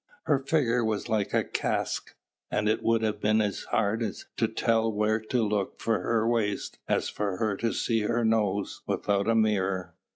Her figure was like a cask, and it would have been as hard to tell where to look for her waist as for her to see her nose without a mirror.